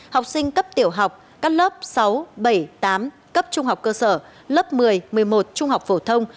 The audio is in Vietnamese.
học sinh cấp tiểu học các lớp sáu bảy tám cấp trung học cơ sở lớp một mươi một mươi một trung học phổ thông